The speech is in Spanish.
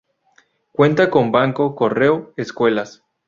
Cuenta, con banco, correo, escuelas.